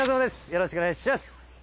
よろしくお願いします